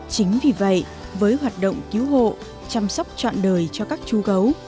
chính vì vậy với hoạt động cứu hộ chăm sóc trọn đời cho các chú gấu